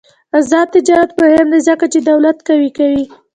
آزاد تجارت مهم دی ځکه چې دولت قوي کوي.